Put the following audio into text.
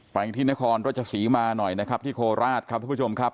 ไปที่นครรัชศรีมาหน่อยนะครับที่โคราชครับทุกผู้ชมครับ